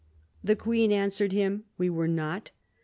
The Queen answered him :' We were not.'